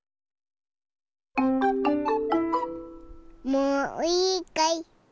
もういいかい？